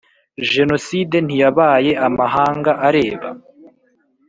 jenoside ntiyabaye amahanga areba?